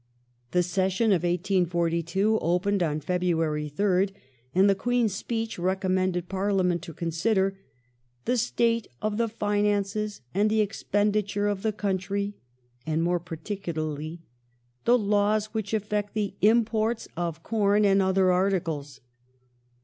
The session of 1842 opened on February 3rd, and the Queen's Speech recommended Parliament to consider " the state of the finances and the expendi ture of the country " and more particularly " the laws which affect the imports of corn and other articles